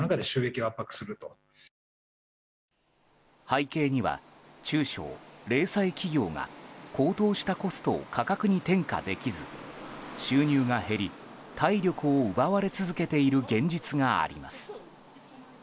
背景には中小・零細企業が高騰したコストを価格に転嫁できず収入が減り体力を奪われ続けている現実があります。